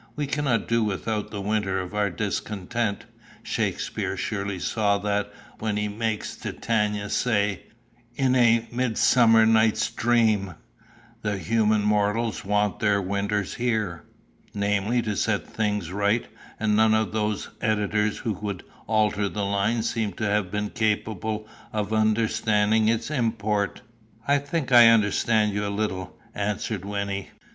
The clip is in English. We cannot do without the 'winter of our discontent.' Shakspere surely saw that when he makes Titania say, in A Midsummer Night's Dream: 'The human mortals want their winter here' namely, to set things right; and none of those editors who would alter the line seem to have been capable of understanding its import." "I think I understand you a little," answered Wynnie.